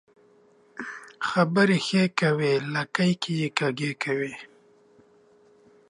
خبري ښې کوې ، لکۍ يې کږۍ کوې.